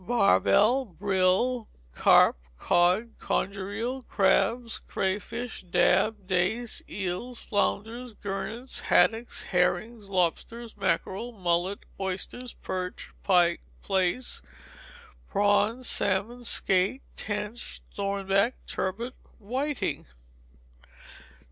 Barbel, brill, carp, cod, conger eels, crabs, cray fish, dabs, dace, eels, flounders, gurnets, haddocks, herrings, lobsters, mackerel, mullet, oysters, perch, pike, plaice, prawns, salmon, skate, tench, thornback, turbot, whiting.